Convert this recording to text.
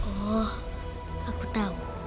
oh aku tau